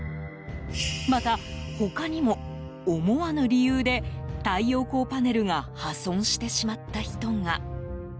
また他にも、思わぬ理由で太陽光パネルが破損してしまった人が。